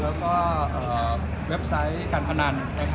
แล้วก็เว็บไซต์การพนัน